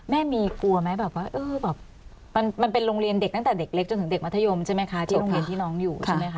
แม่มีกลัวไหมแบบว่าเออแบบมันเป็นโรงเรียนเด็กตั้งแต่เด็กเล็กจนถึงเด็กมัธยมใช่ไหมคะที่โรงเรียนที่น้องอยู่ใช่ไหมคะ